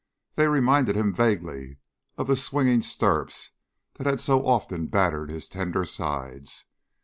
They reminded him vaguely of the swinging stirrups that had so often battered his tender sides.